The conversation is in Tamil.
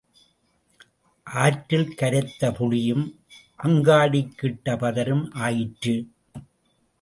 ஆற்றில் கரைத்த புளியும் அங்காடிக்கு இட்ட பதரும் ஆயிற்று.